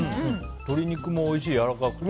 鶏肉もおいしい、やわらかくて。